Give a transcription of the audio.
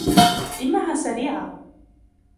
إنها سريعة.